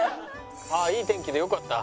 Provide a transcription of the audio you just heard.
ああいい天気でよかった。